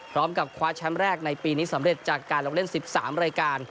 พร้อมกับคว้าแชมป์แรกในปีนี้สำเร็จจากการลงเล่น๑๓รายการ